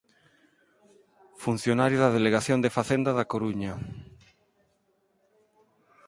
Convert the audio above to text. Funcionario da Delegación de Facenda da Coruña.